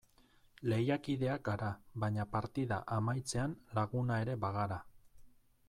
Lehiakideak gara baina partida amaitzean laguna ere bagara.